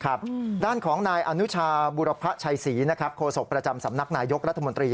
ด้านของนายอนุชาบุรพชัยศรีนะครับโฆษกประจำสำนักนายยกรัฐมนตรี